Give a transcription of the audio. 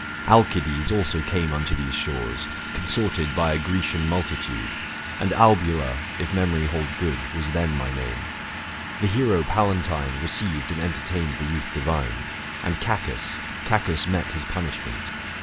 Alcides also came unto these shores, Consorted by a Grecian multitude : 735 And Albula, if memory hold good, Was then my name. The hero Pallantine Received and entertained the youth divine : And Cacus — Cacus met his punishment.